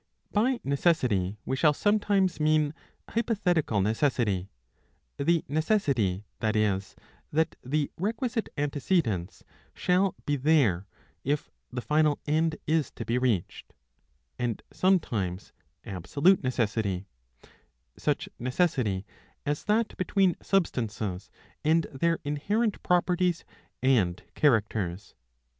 By necessity we shall sometimes mean hypothetical neces sity, the necessity, that is, that the requisite antecedents shall be there, if the final end is to be reached ; and sometimes abso lute necessity, such necessity as that between substances and their inherent properties and characters.